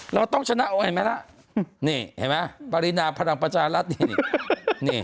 เราต้องชนะสมัยฟะนี่เห็นมั้ยปรินาผลังประชารัฐนี่